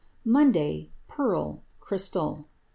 Monday: Pearl—crystal.